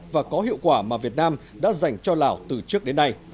và có hiệu quả mà việt nam đã dành cho lào từ trước đến nay